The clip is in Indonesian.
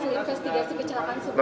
pak pak pak